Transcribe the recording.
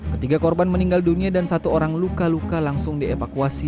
ketiga korban meninggal dunia dan satu orang luka luka langsung dievakuasi